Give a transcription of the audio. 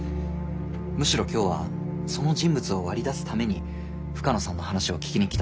むしろ今日はその人物を割り出すために深野さんの話を聞きに来たんです。